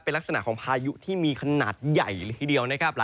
เป็นลักษณะของพายุที่มีขนาดใหญ่เลยทีเดียวนะครับ